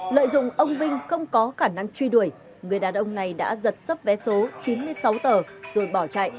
lợi dụng ông vinh không có khả năng truy đuổi người đàn ông này đã giật sấp vé số chín mươi sáu tờ rồi bỏ chạy